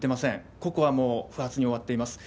ＣＯＣＯＡはもう不発に終わっています。